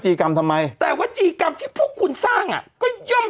ีกรรมทำไมแต่ว่าจีกรรมที่พวกคุณสร้างอ่ะก็ย่อม